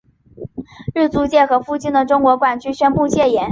日租界和附近的中国管区宣布戒严。